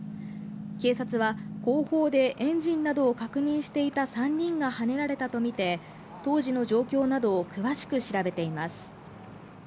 警察は後方でエンジンなどを確認していた３人がはねられたとみて当時の状況などを詳しく調べています。